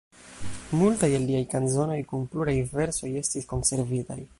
Multaj el liaj kanzonoj kun pluraj versoj estis konservitaj.